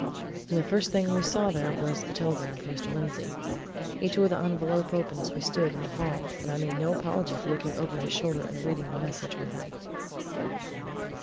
And the first thing we saw there was a telegram for Mr. Lindsey. He tore the envelope open as we stood in the hall, and I made no apology for looking over his shoulder and reading the message with him.